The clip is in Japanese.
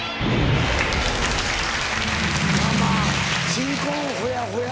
新婚ほやほや。